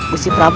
yang lebih dekat